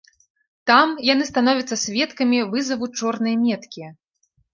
Там яны становяцца сведкамі вызаву чорнай меткі.